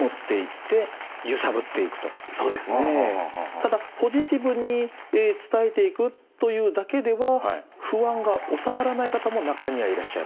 ただポジティブに伝えていくというだけでは不安が収まらない方も中にはいらっしゃいます。